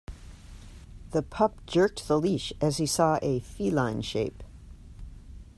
The pup jerked the leash as he saw a feline shape.